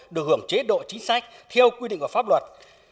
được hưởng chế độ chính sách theo quy định của pháp luật